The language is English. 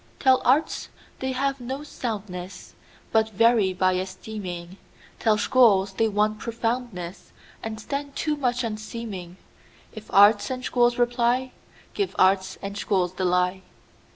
Tell arts they have no soundness, But vary by esteeming; Tell schools they want profoundness, And stand too much on seeming:If arts and schools reply, Give arts and schools the lie.